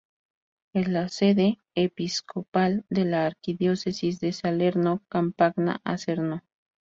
Es la sede episcopal de la arquidiócesis de Salerno–Campagna–Acerno.